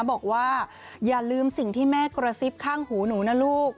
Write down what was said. บอกว่าอย่าลืมสิ่งที่แม่กระซิบข้างหูหนูนะลูก